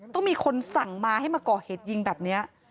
ต้องมีคนสั่งมาให้มาก่อเหตุยิงแบบนี้